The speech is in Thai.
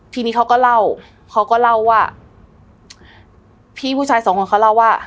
ทีนี้เขาก็เล่าว่าพี่ผู้ชายสองคนเขาเล่าว่า